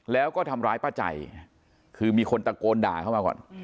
แล้วก็ทำร้ายป้าใจคือมีคนตะโกนด่าเข้ามาก่อน